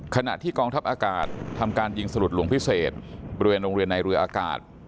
ขณะที่กองทัพอากาศทำการยิงสลุดหลวงพิเศษบริเวณโรงเรียนในเรืออากาศ